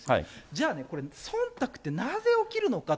じゃあね、これ、そんたくってなぜ起きるのか。